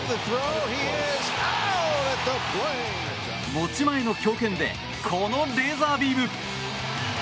持ち前の強肩でこのレーザービーム。